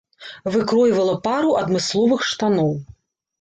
Выкройвала пару адмысловых штаноў.